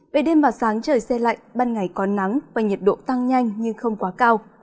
về đêm và sáng trời xe lạnh ban ngày có nắng và nhiệt độ tăng nhanh nhưng không quá cao